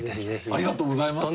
ありがとうございます。